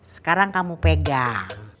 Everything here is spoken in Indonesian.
sekarang kamu pegang